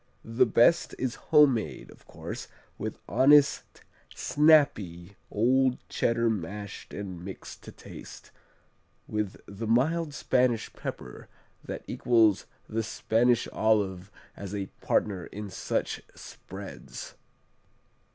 The best is homemade, of course, with honest, snappy old Cheddar mashed and mixed to taste, with the mild Spanish pepper that equals the Spanish olive as a partner in such spreads.